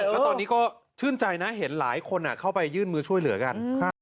แล้วตอนนี้ก็ชื่นใจนะเห็นหลายคนเข้าไปยื่นมือช่วยเหลือกัน